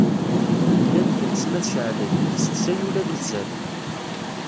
Nnan times ma tecɛel-d, tessefsay ula d uzzal.